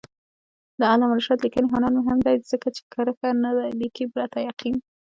د علامه رشاد لیکنی هنر مهم دی ځکه چې کرښه نه لیکي پرته یقین.